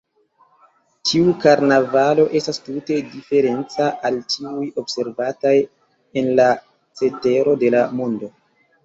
Tiu karnavalo estas tute diferenca al tiuj observataj en la cetero de la mondo.